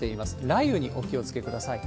雷雨にお気をつけください。